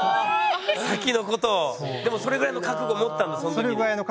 でもそれぐらいの覚悟持ったんだそのときに。